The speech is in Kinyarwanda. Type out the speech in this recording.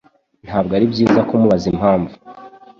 ntabwo ari byiza kumubaza impamvu